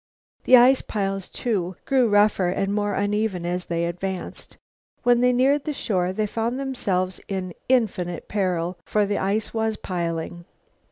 The ice piles, too, grew rougher and more uneven as they advanced. When they neared the shore, they found themselves in infinite peril, for the ice was piling.